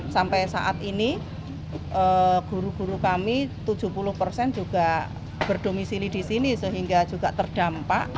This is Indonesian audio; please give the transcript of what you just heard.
sampai saat ini guru guru kami tujuh puluh persen juga berdomisili di sini sehingga juga terdampak